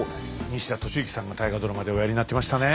西田敏行さんが大河ドラマでおやりになってましたね。